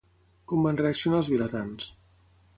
Com van reaccionar els vilatans?